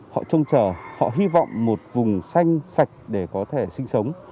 họ trông chờ họ hy vọng một vùng xanh sạch để có thể sinh sống